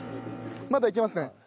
まだいけますね。